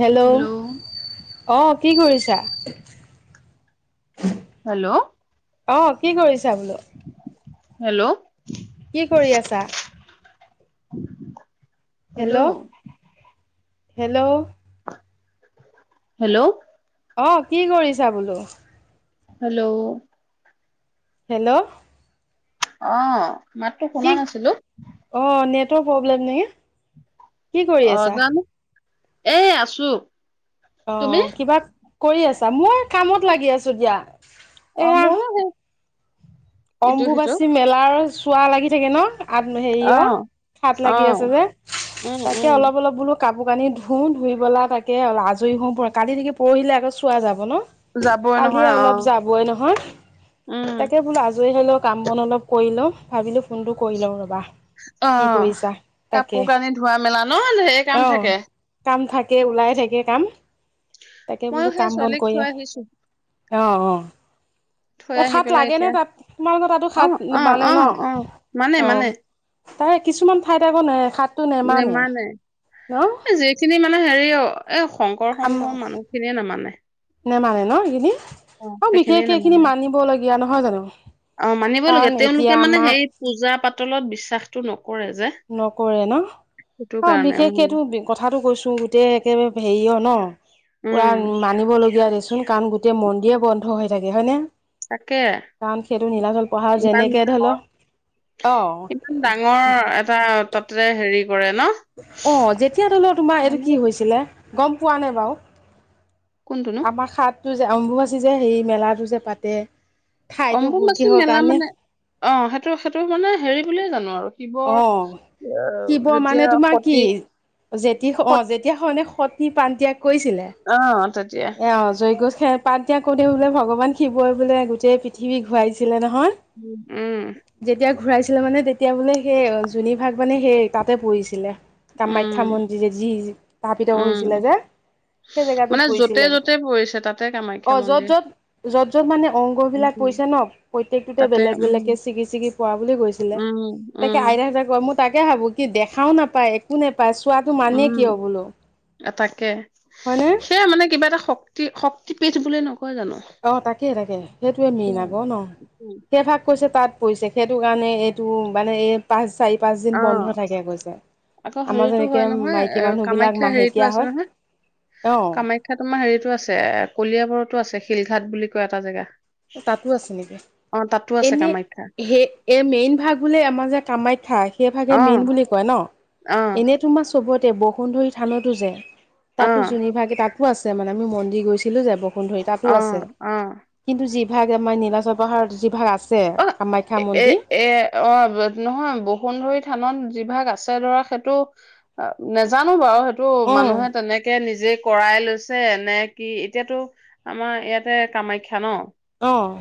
Hello অ কি কৰিছা হেল্ল' অ', কি কৰিছা বোলো?। হেল্ল'। কি কৰি আছা?। [inaudible] Hello, hello. হেল্ল'। অ', কি কৰিছা বোলো?। হেল্ল'। হেল্ল'। অ', মাততো শুনা নাছিলো। তৰ প্ৰব্লেম নেকি, কি কৰি আছা?। এই আছো। তুমি অ', কিবা কৰি আছা মই কামত লাগি আছো দিয়া। অ', এয়া ময়ো সেই ইটো সিটো অম্বুবাচী মেলাৰ চোৱা লাগি থাকে ন। আদ্ম্ অ হেইয়, সাত অ লাগি আছে যে। উম তাকে উম অলপ-অলপ বোলো কাপোৰ কানি ধোওঁ ধুই পেলাই তাকে অল-আজৰি হওঁ প-কালি থাকি পৰহিলে আকৌ চোৱা যাব ন?। যাবই কালি নহয় অ অলপ যাবই নহয়, উম তাকে বোলো আজ জই হ'লেও কাম বন অলপ কৰি লওঁ, ভাবিলোঁ ফোনটো কৰি ল'ওঁ ৰ'বা। কি অ', কৰিছা তাকে কাপোৰ কানি ধোৱা মেলা ন ঢেৰ অ কাম থাকে। কাম থাকে ওলাই থাকে কাম, তাকে ময়ো বোলো সেই কাম বন ছোৱালীক কৰি থৈ আহ। আহিছো অ', অ'। থৈ এ আহি সাত পেলাই লাগেনে এতিয়া তাত, তোমালোকৰ তাতো অ সাত অ মানে অ ন?। অ মানে অ'। মানে তাৰে কিছুমান ঠাইত আকৌ নে সাত নেমানে। এ যিখিনি মান মানে হেৰিয়, এ শংকৰ আম সংঘৰ মানুহ খিনিয়ে নামানে। নেমানে ন এইখিনি, অ', সেইখিনিয়ে বিশেষকে এইখিনি নামানে মানিবলগীয়া নহয় জানো?। অ', কাৰণ মানিবলগীয়া এতিয়া তেওঁলোকে মানে আমাৰ হেৰি পূজা পাতলত বিশ্বাসটো নক নকৰে ন?। সেইটো অ', কাৰণে উম বিশেষকটো কথাটো কৈছো গোটেই একেবাৰে হেৰিয় ন, পুৰা উম মানিবলগীয়া দে কাৰণ গোটেই মন্দিয়ে বন্ধ হৈ থাকে হয়নে?। তাকে, কাৰণ সেইটো নীলাচল পাহাৰ ইমান যেনেকে ধৰি লও ডাঙৰ। অ ইমান ডাঙৰ এটা তাতে হেৰি কৰে ন অ', যেতিয়া ধৰিলও তোমাৰ এইটো মানে কি হৈছিলে?। গম পোৱানে বাৰু?। কোনটোনো আমাৰ সাত টো যে অম্বুবাচী যে সেই মেলাটো যে পাতে। ঠাইতো অম্বুবাচী কিহৰ মেলা কাৰণে মানে, অ', সেইটো-সেইটো মানে হেৰি বুলিয়ে জানো আৰু। অ শিৱৰ, যেতিয়া সতি যেতিস অ', যেতিয়া সয়নে সতী প্ৰাণ ত্যাগ অ' তা এয়া অ' জৈগছ সেৱা পাত দিয়া কোতেও বোলে ভগৱান শিৱই বোলে গোটেই পৃথিৱী ঘূৱাইছিলে নহ উ। ঘূৰাইছিলে মানে তেতিয়া বোলে সেই যোনি ভাগ মানে হেই তাতে পইছিলে। কামাখ্যা উম মন্দিৰে যি স্থাপিত উম হৈছিলে যে, সেই জেগাটোত মানে য'তে পৰিছিলে। য'তে পৰিছে তাতে কামাখ্যা অ', মন্দিৰ য'ত-য'ত, যত-য'ত মানে অংগ বিলাক উম পৰিছে ন পত ত্যেকটোতে তাতে বেলেগ উম বেলেগকে চিগি-চিগি পৰা বুলি কৈছিলে, উম তাকে উম আইতা হঁতে কয় মই তাকে ভাবো কি দেখাও নাপায় একো নেপ উ, আ তাকে, হয়নে? সেয়া মানে কিবা এটা শক্তি, শক্তিপীঠ বোলে ন। অ' তাকে তাকে সেটোৱে মেইন সেয়া আকৌ ন। উম, সেভাগ কৈছে তাত পইছে সেটো কাৰণে এইটো মানে এই পাঁচ, চাৰি পাঁচ দিন অ', বন্ধ থাকে কৈছে। আকৌ আমাৰ হেৰিতো যেনেকৈ হয় নহয় মাইকী এ মানুহবিলাক কামাখ্যা হেৰিতো মাহেকীয়া আছে হয় নহয়। অঁ কামাখ্যা তোমাৰ হেৰিতো আছে কলিয়াবৰতো আছে শিলঘাট বুলি কয় এটা জেগা। তাতো আছে নেকি? অ', তাতো আছে এনে কামাখ্যা হে, এ মেইন ভাগ বোলে আমাৰ যে কামাই খা সেইভাগে অ', মেইন বুলি কয় ন? অ', এনে তোমাৰ চবতে বসুন্ধই থানতো যে তাতো অ', যোনি ভাগ, তাতো আছে মানে আমি মন্দিৰ গৈছিলোঁ যে বসুন্ধই, তাতো আছে। অ', অ'। কিন্তু যিভাগ আমাৰ নীলাচৰ পাহাৰত, যিভাগ আছ অ' এ-এ-এ অ' ব নহয় বসুন্ধই থানত যিভাগ আছে ধৰা সেইটো, অ' নেজানো বাও হে টো অঁ মানুহে তেনেকে নিজেই কৰাই লৈছে নে কি? এতিয়াতো আমাৰ এয়াতে কামাখ্যা ন। অঁ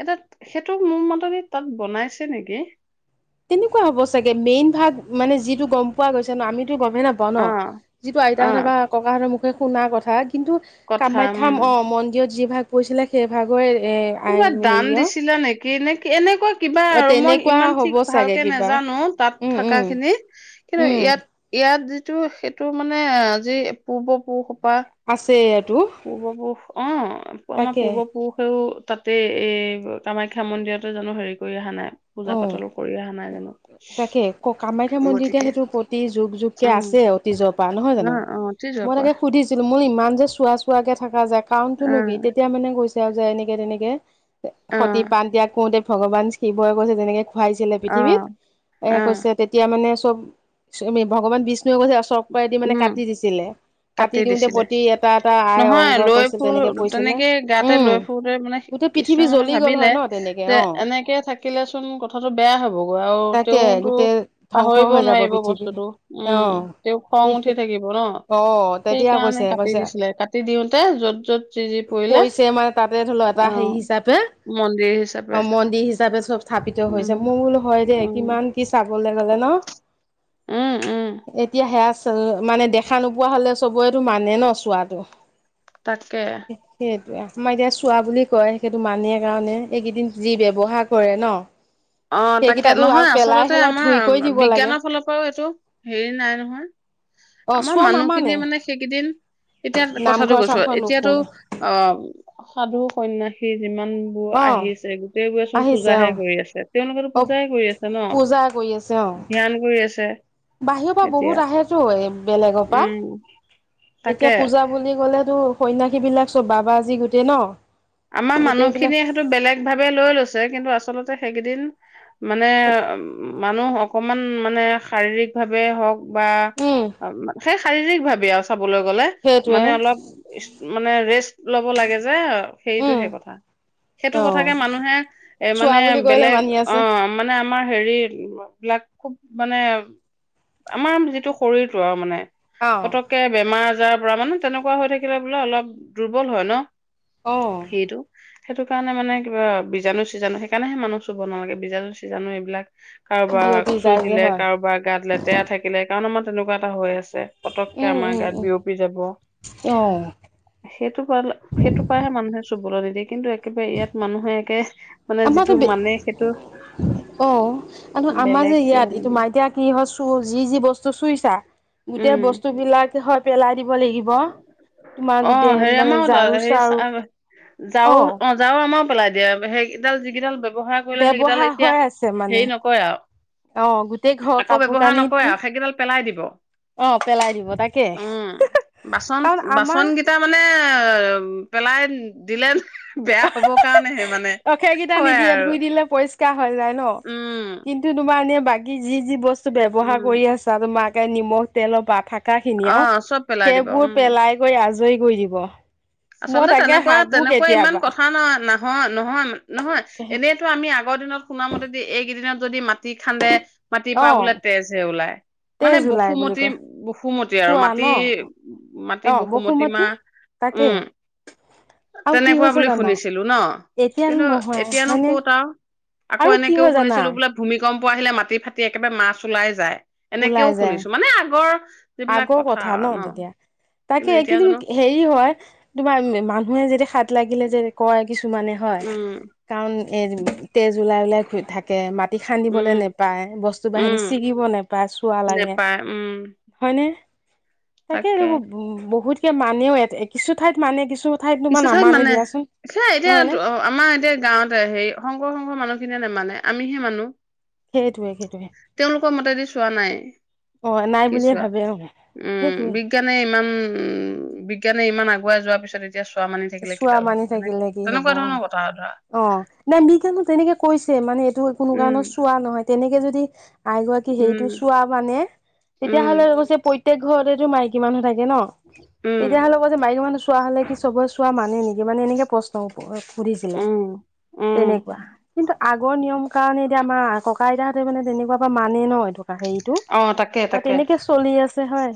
এটোত, সেইটো মো মতেদি তাত বনাইছে নেকি। তেনেকুৱা হ'ব চাগে। মেইন ভাগ মানে যিটো গম পোৱা গৈছে ন আমি তো গমেই নাপাওঁ ন। অ যিটো অ আইতাহঁত বা ককাহঁত মুখে শুনাৰ কথা। কিন্তু কথা উম কামাখ্যা, অ' মন্দিৰত যি ভাগ পইছিলে সেই ভাগয়ে কোনোবাই দান দিছিলে নেকি নে এনেকুৱা কিবা অ আৰু মই তেনেকুৱা ইমান ঠিক হ'ব চাগে ভালকে কিবা নাজানো তাত উম থকা উম খিনি কিন্তু উম ইয়াত, ইয়াত যি টো সেটো মানে আজি পূৰ্বপুৰুষ আছে ইয়াত। পূৰ্বপুৰুষ, অ' পামা তাকে পূৰ্বপুৰুষেও তাতে এ কামাখ্যা মন্দিৰতে জানো হেৰি কই আহা নাই। অ পূজা পাতলো কৰি আহা নাই তাকে ক কামাখ্যা জানো। গতিকে, উ। তে অতীজ পা নহয় জানো? মই পৰা তাকে সুধিছিলো মোনি ইমান যে চোৱা চোৱাকে থাকা যায় অ কাৰণতোনো কি? তেতিয়া মানে কৈছে আও যে এনেকে তেনেকে। অ সতি পান ত্যাগ কওঁতে ভগৱান শিৱই কৈছে তেনেকে ভৱাইছিলে অ পৃথিৱীত। এ অ কৈছে তেতিয়া মানে চব, চমি ভগৱান বিচ নুৱেও কৈছে চক্ৰই দি মানে উম কাটি দিছিলে। কাটি দিওঁতে প্ৰতি এটা এটা আই নহয় অংগ লৈ কৈছিল তেনেকে ফুৰো পইছিলে। তেনেকে গাতে লৈ উম ফুৰোতে মানে গোটেই পৃথিৱী কৃষ্ণই মানে জ্বলি গ'ল হয় ন তেনেকে অ'। কিলেচোন কথাটো বেয়া হ'বগৈ আও তাকে তেওঁতো গোটেই ধ্বংস পাহইব হৈ যাব নোৱাইব পৃথিৱী বস্তুটো, উ অ তেওঁ খং উঠি থাকিব ন। অ তেতিয়া সেইকাৰণে কৈছে, কাটি কৈছে দিছিলে কাটি দিওঁতে য'ত য'ত যি যি পৰিলে পইছে মা তাতে ধইল' এটা অ হেৰি চাপে। মন্দিৰ হিচাপে। তাপে চব স্থাপিত হৈছে। উম মই বোলো হয় দে উম কিমান কি চাবলে গ'লে ন। উম উম এতিয়া হেয়াচ মানে দেখা নোপোৱা হ'লে চবইটো মানে ন চোৱাটো। তাকে সে, সেটোৱে অহ। আমাৰ এতিয়া চোৱা বুলি কয়, সেইটো মানেই কাৰণে এইকেইদিন যি ব্যৱহাৰ কৰে ন অ' তাকে, সেইকেইটাতো আৰু নহয় পেলাই আচলতে হেলাই আমাৰ ধুই কৰি দিব লাগে বিজ্ঞানৰ ফালৰ পৰাও এইটো হেৰি নাই নহয়। অ আমাৰ চোৱা নামানে মানুহখিনিয়ে মানে সেইকেইদিন এতিয়া কথাটো নামঘৰ কৈছোঁ, চামঘৰ এতিয়াতো নুসুমে অ', সাধু সন্যাসী যিমানবোৰ অ আহিছে, গোটেইবোৰে চোন আহিছে পূজাহে অ কৰি আছে। তেওঁলোকেতো অ পূজাই কই আছে ন। পূজা ধ্যান কই আছে। বাহিৱ পা এতিয়া বহুত আহেতো এই বেলেগ পা, উম এতিয়া তাকে পূজা বুলি ক'লে টো সন্যাসী বিলাক চব বাবাজী গোটেই ন। আমা গোটেইবিলাক মানুহখিনিয়ে সেটো বেলেগ ভাৱে লৈ লৈছে কিন্তু আচলতে সেগিদিন মানে মানুহ অকমান মানে শাৰীৰিকভাৱে হওঁক বা উম সেই শাৰীৰিক ভাৱেই আৰু চাবলৈ গ'লে, সেইটোৱে মানে অলপ ষ্ট্ৰ মানে ৰে'ষ্ট ল'ব লাগে যে, উম সেইটোহে কথা। সেইটো অ কথাকে মানুহে, এ মানে চোৱা বুলি কৰিলে বেলেগ, মানি আছে অ', মানে আমাৰ হেৰি বিলাক খুব মানে আমাৰ যিটো শৰীৰটো আৰু মানে অ পতককে বেমাৰ আজাৰৰ পৰা, মানে তেনেকুৱা হৈ থাকিলে বোলে অলপ দুৰ্বল হয় ন। অ সেইটো সেইটো কাৰণে মানে কিবা বীজাণু-চীজাণু সেইকাৰণেহে মানুহ চুব নালাগে, বীজাণু- চিজানু এইবিলাক কাৰোবাক বিয়পি চুই যায় যে দিলে, হয় কাৰোবাৰ গাত লেতেৰা থাকিলে, কাৰণ আমাৰ তেনেকুৱা এটা হৈ আছে। পতককে উম আমাৰ উম গাত উম বিয়পি যাব, অ সেইটো পালে-সেইটো পৰাহে মানুহ চুবলৈ নিদিয়ে, কিন্তু একেবাৰে ইয়াত মানুহে একে মানে আমাৰতো যিটো বে মানে সেইটো অ', আৰু নহয়, আমাৰ যে বেলেগকে ইয়াত মানে এইটো দিয়ে তোমাৰ এতিয়া কি হয় যি যি বস্তু চুইছা, গোটেই উম বস্তুবিলাক হয়তো পেলাই দিব লাগিব তোমাৰ অ', গোটেই হেৰি মানে আমাৰো ঝাৰু তাত, হেৰি চাৰু ঝাড়ু অ', ঝাড়ু আমাৰ পেলাই দিয়ে, সেইকেইডাল যি কেইডাল ব্যৱহাৰ কৰিলে, সেইকেইডাল ব্যৱহাৰ এতিয়া হৈ আছে মানে হেৰি নকৰে অ গোটেই আৰু। ঘৰ আকৌ কাপোৰ ব্যৱহাৰ কানি নকৰে ধুই আৰু, সেইকেইডাল পেলাই দিব। অ', পেলাই দিব, তাকে কাৰণ আমাৰ বাচন-বাচনকেইটা মানে, পেলাই দিলে বেয়া হ'ব কাৰণেহে মান অ', সেইকেইটা নিদিয়ে, ধুই দিলে পৰিষ্কাৰ হৈ যায় ন, উম কিন্তু তোমাৰ এনে বাকী যি যি বস্তু ব্যৱহাৰ উম কৰি আছা, তোমাৰ একে নিমখ তেলৰ পৰা থাক কা খিনি অ আৰু, চব পেলাই দিব সেইবোৰ উম পেলাই কৰি আজৰি কৰি দিব। মই আচলতে তাকে ভাবো তেনেকুৱা-তেনেকুৱা ইমান কেতিয়াবা কথা না-নহয়-নহয়-নহয়, এনেইতো আমি আগৰ দিনত শুনামতে দেই, এইকেইদিনত যদি মাটি খান্দে মাটিৰ অ পৰা বোলে তেজ হে ওলায় তেইছ মানে জুলাই বুলি বসুমতি, কয় বসুমতি আৰু চোৱা ন মাটি-মাটি অ বসুমতি মা বসুমতী তাকে উম আৰু কি তেনেকুৱা হৈছে বুলি জানা শুনিছিলো ন, এতিয়াতো কিন্তু নহয় এতিয়ানো হয়নে ক'ত আৰু আকৌ আৰু কি এনেকেও হয় জানা শুনিছিলো বোলে ভূমিক কম্প আহিলে মাটি ফাটি একেবাৰে মাছ ওলাই যায়, এনেকেও ওলাই যায় শুনিছোঁ, মানে আগৰ আগৰ কথা ন তেতিয়া, কিন্তু তাকে এতিয়া জানো কিন্তু হেৰি হয় তোমাৰ মানুহে যেতিয়া সাত লাগিলে যে কয় মানে হয়, উম কাৰণ এই তেজ ওলাই ওলাই থাকে, মা ৰাতি খান্দিবলৈ উম নেপায়, বস্তু-বাহিনি উম ছিগিব নেপায়, চুৱা লাগে। নেপায় উম হয়নে, তাকে আৰু বহুতে মানেও, কিছু ঠাইত মানে, কিছু ঠাইত তোমাৰ কিছু ঠাইত নামানে মানে, দিয়াচোন সেই নহয়নে এতিয়া-আমাৰ এতিয়া গাঁৱতে হেৰি শংকৰ শংঘৰ মানুহ খিনিয়ে নামানে, আমিহে মানো। সেইটোৱে সেই তেওঁলোকৰ মতেদি চোৱা নাই অ নাই কি বুলিয়ে চোৱা ভাবে অ উম সেইটোৱে বিজ্ঞানে ইমান উ বিজ্ঞানে ইমান আগ বুৱাই যোৱাৰ পিছত এতিয়া চোৱা মানি থাকিলে চোৱা কিডাল মানি হব থাকিলে কি হব তেনেকুৱা অ ধৰণৰ কথা আৰু ধৰা অ নাই বি কানো তেনেকে কৈছে মানে এইটো কোনো কাৰণ উম চোৱা নহয় তেনেকে যদি আইগৰাকী উম হেইটো চোৱা মানে উম তেতিয়াাহ'লে কৈছে প্ৰতেক ঘৰতেতো মাইকী মানুহ থাকে হে ন উম, তেতিয়াহ'লে কব যে মাইকী মানুহ চোৱা হ'লে কি চবৰে চোৱা মানে নেকি মানে এনেকে প্ৰশ্ন সুধিছিলে উম, উম, তেনেকুৱা কিন্তু আগৰ নিয়ম কাৰণে এতিয়া আমাৰ ককা আইতাহঁতে মানে তেনেকুৱা পৰা মানে ন থকা হেতটো তাকে অ তাকে, তেনেকে চলি আছে হয়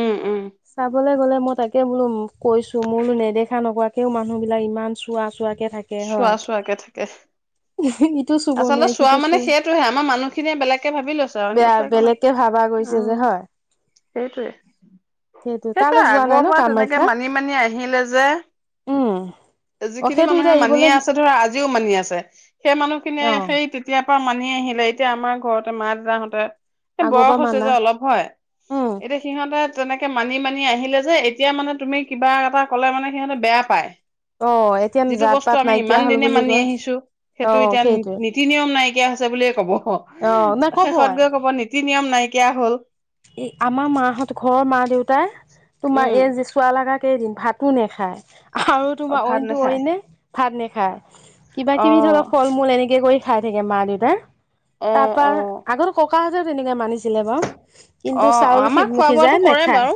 উম, উম, চাবলৈ গ'লে মই তাকে বোলো কৈছো, মোৰ বোলো নেদেখা নোকোৱাকৈও মানুহ বিলাক ইমান চুৱা চুৱা কে থাকে চোৱা হয় চোৱাকে থাকে। টো চুব আচলতে নোৱাৰি চোৱা সিটো মানে চুব, সেইটোহে আমাৰ মানুহখিনিয়ে বেলেগকে ভাবি লৈছে আৰু অইন কথা একো নাই। বেয়া-বেলেগকে ভাবা গৈছে উম, যে হয়। সেইটোৱে, সেইটো তালৈ সেইটোৱে যোৱা নাই আগৰ ন পৰা তেনেকে কামাখ্যা মানি মানি আহিলে যে উম যে, অ যিখিনি সেইটো এতিয়া মানুহে এৰিবলে মানিয়ে আছে ধৰা আজিও মানি আছে, সেই মানুহ অ সেই-সেই তেতিযয়াৰ পৰা মানি আহিলে, এতিয়া আমাৰ ঘৰতে মা দেউতাহঁতে এই আগৰ বয়স পৰা হৈছে মানা যে অলপ, হয়, উম এতিয়া সিহঁতে তেনেকে মানি মানি আহিলে যে, এতিয়া মানে তুমি কিবা এটা ক'লে মানে সিহঁতে বেয়া পায়। অ এতিয়া যিটো জাত বস্তু পাত আমি নাইকিয়া ইমান হল দিনে বুলি মানি কয় আহিছো অ সেইটো এতিয়া সেইটোৱে নীতি নিয়ম নাইকিয়া হৈছে বুলিয়ে ক'ব অ নাই শেষত গৈ ক'ব নীতি নিয়ম নাইকিয়া কিয়া হ'ল এ আমাৰ মাহত ঘৰৰ মা দেউতাই তোমাৰ উম এই যি চুৱা লাগা তাকেই দিম ভাতো নেখায় আৰু অ তোমাৰ ভাত অইনতো নাখায় অইনে ভাত নেখায় কিবা অ কিবি ধৰক ফল মূল এনেকে কৰি খাই থাকে মা দেউতাৰ অ তাৰপা অ আগতে ককাহঁতে তেনেকে মানিছিলে বাৰু কিন্তু অ অ চাউলি আমাৰ খোৱা সিজাই বোৱাটো কৰে নাখায় বাৰু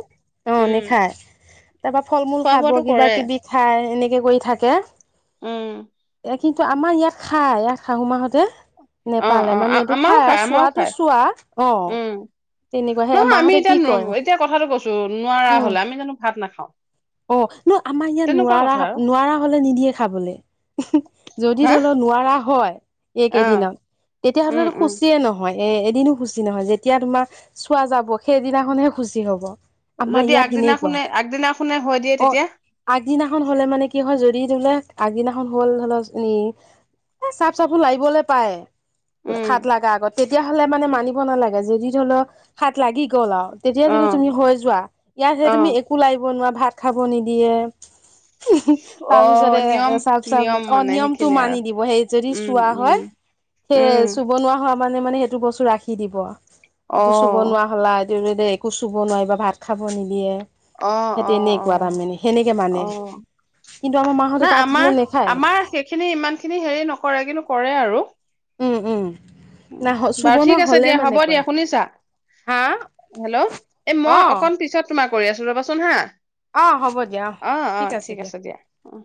অ উম নেখায় তাৰ পৰা ফল মূল খোৱা খাব বোৱাটো কিবা কৰে কিবি খাই এনেকে কৰি থাকে উম কিন্তু আমাৰ ইয়াত খাই ইয়াত শাহু মাহতে অ নেপালে অ মানে এইটো আমাৰও খাই খায় আমাৰও চোৱাটো খায় চোৱা অ উম তেনেকুৱা সেই নহয় আমি মাহঁতে কি এতিয়া কৰে এতিয়া কথাটো কৈছো নোৱাৰা উম হলে আমি জানো ভাত নাখাও অ ন আমাৰ ইয়াত তেনেকুৱা নোৱাৰা কথা আৰু নোৱাৰা হলে নিদিয়ে খাবলৈ যদি হা ধৰি লও নোৱাৰা হয় অ এইকেইদিনত উম তেতিয়াহলেতো উম শুচিয়ে নহয় এ এদিনো শুচি নহয় যেতিয়া তোমাৰ চোৱা যাব সেইদিনাখনহে শুচী হব আমাৰ যদি ইয়াত আগদিনা সেনেকুৱা শুনে আগদিনা শুনে অ আগদিনাখন হলে মানে কি হয় যদি তোলে আগদিনাখন হল ধৰি লওক এ এ চাফ চাবোন লাৰিবলে পায় উম সাত লগা আগত তেতিয়াাহলে মানে মানিব নালাগে যদি ধৰি লওক সাত লাগি গ'ল আৰু তেতিয়া যদি অ তুমি হৈ যোৱা ইয়াত সে অ তুমি একো লাগিব নোৱাৰা ভাত খাব নিদিয়ে অহ তাৰপিছতে নিয়ম চাফ চফ নিয়ম অ মানে নিয়মতটো সেইখিনি আৰু মানি দিব সেই যদি উম চোৱা হয় উম সেই উম চুবনোৱা হোৱা মানে মানে সেইটো বস্তু ৰাখি দিব অ এইটো চুবনোৱা হলা দেউ দে একো চুব নোৱাৰি বাা ভাত খাব নিদিয়ে অ অ অ কোৱা তাৰ মানে সেনেকে অ মানে কিন্তু আমাৰ মাহঁতে নাই তাত হ'লে আমাৰ নেখায়। আমাৰ সেইখিনি ইমান খিনি হেৰি নকৰে কিন্তু কৰে আৰু উওম উম উ নাই চুব বাৰু নোৱাৰা ঠিক আছে হ'লে দিয়া হ'ব মানে দিয়া কয় শুনিছা হা হেল্ল' এ অ মই অকন পিছত তোমাৰ কৰি আছো ৰবাচোন হা অ অ ঠিক আছে দিয়া অ